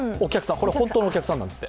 これ、本当のお客さんなんですって。